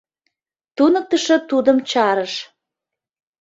— туныктышо тудым чарыш.